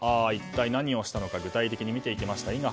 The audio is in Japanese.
一体何をしたのか具体的に見ていきました。